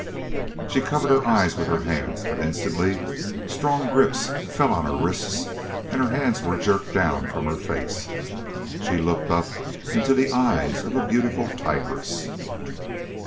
She covered her eyes with her hands but instantly strong grips fell on her wrists and her hands were jerked down from her face. She looked up into the eyes of a beautiful tigress.